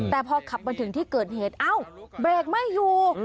แต่พอขับมาถึงที่เกิดเหตุเอ้าเบรกไม่อยู่